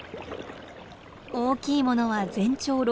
大きいものは全長６０センチ。